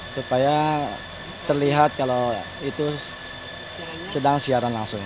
supaya terlihat kalau itu sedang siaran langsung